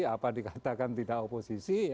apa dikatakan tidak oposisi